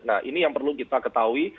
nah ini yang perlu kita ketahui